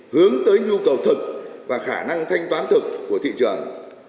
hướng tới nhu cầu thực và khả năng thanh toán thực của thị trường